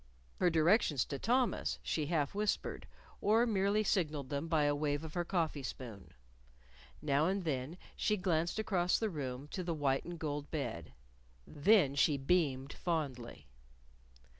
Her directions to Thomas, she half whispered, or merely signaled them by a wave of her coffee spoon. Now and then she glanced across the room to the white and gold bed. Then she beamed fondly.